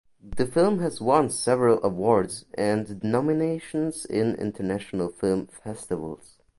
The film has won several awards and nominations in International film festivals.